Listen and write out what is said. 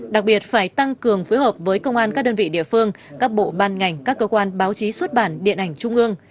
đặc biệt phải tăng cường phối hợp với công an các đơn vị địa phương các bộ ban ngành các cơ quan báo chí xuất bản điện ảnh trung ương